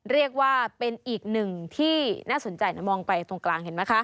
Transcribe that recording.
เรียกว่าเป็นอีกหนึ่งที่น่าสนใจนะมองไปตรงกลางเห็นไหมคะ